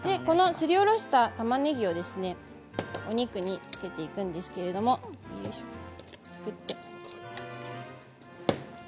すりおろしたたまねぎをお肉に漬けていくんですけれども作って。